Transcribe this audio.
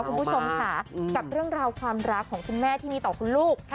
คุณผู้ชมค่ะกับเรื่องราวความรักของคุณแม่ที่มีต่อคุณลูก